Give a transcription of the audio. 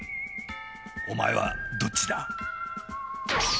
おまえはどっちだ？